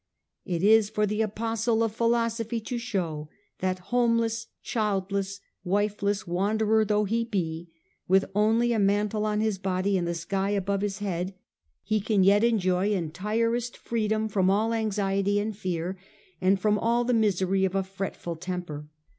It is for the apostle of philosophy to show that, homeless, childless, wifeless wanderer though he be, with only a mantle on his body and the sky above his head, he can yet enjoy entirest freedom from all anxiety and fear, and from all the misery of a fretful temper.